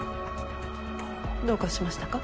どうかしましたか？